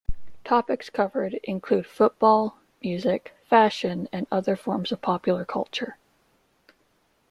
Topics covered include football, music, fashion and other forms of popular culture.